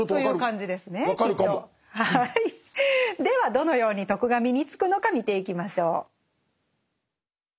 どのように「徳」が身につくのか見ていきましょう。